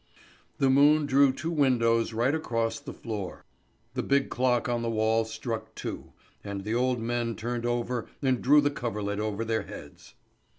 The moon drew two windows right across the floor. The big clock on the wall struck two, and the old men turned over and drew the coverlet over their heads.